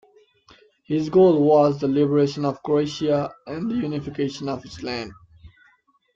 His goal was the liberation of Croatia and the unification of its lands.